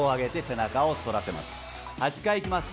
８回いきます